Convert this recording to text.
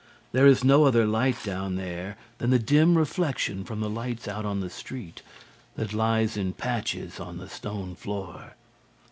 There is no other light down there than the dim reflection from the lights out on the street, that lies in patches on the stone floor.